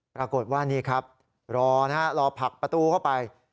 ปรากฏว่านี่ครับรอนะฮะรอผลักประตูเข้าไป